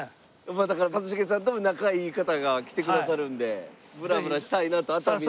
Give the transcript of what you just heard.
だから一茂さんとも仲いい方が来てくださるんでブラブラしたいなと熱海を。